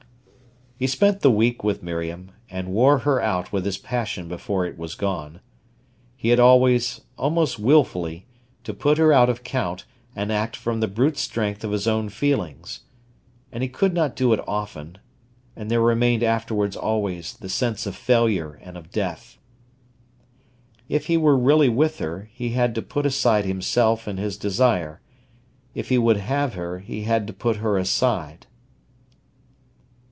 He spent the week with Miriam, and wore her out with his passion before it was gone. He had always, almost wilfully, to put her out of count, and act from the brute strength of his own feelings. And he could not do it often, and there remained afterwards always the sense of failure and of death. If he were really with her, he had to put aside himself and his desire. If he would have her, he had to put her aside.